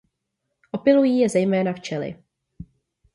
Opylují je zejména včely.